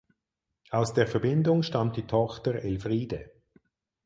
Aus der Verbindung stammt die Tochter Elfriede.